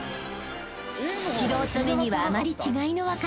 ［素人目にはあまり違いの分からない